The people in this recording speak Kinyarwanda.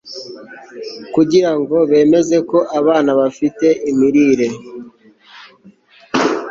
kugira ngo bemeze ko abana bafite imirire